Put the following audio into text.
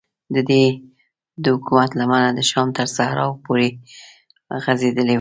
ددوی د حکومت لمنه د شام تر صحراو پورې غځېدلې وه.